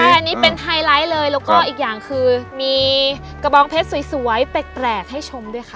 อันนี้เป็นไฮไลท์เลยแล้วก็อีกอย่างคือมีกระบองเพชรสวยแปลกให้ชมด้วยค่ะ